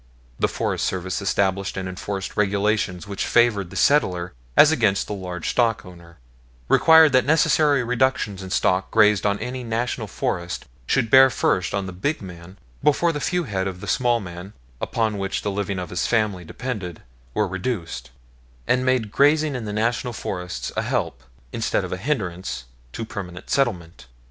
The Forest Service established and enforced regulations which favored the settler as against the large stock owner; required that necessary reductions in the stock grazed on any National Forest should bear first on the big man, before the few head of the small man, upon which the living of his family depended, were reduced; and made grazing in the National Forests a help, instead of a hindrance, to permanent settlement.